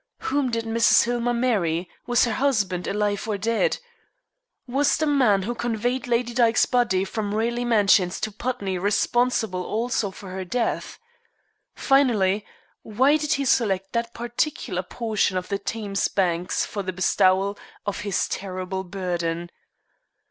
Whom did Mrs. Hillmer marry? Was her husband alive or dead? Was the man who conveyed Lady Dyke's body from Raleigh Mansions to Putney responsible also for her death? Finally, why did he select that particular portion of the Thames banks for the bestowal of his terrible burden?